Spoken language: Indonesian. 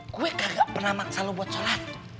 gue kagak pernah selalu buat sholat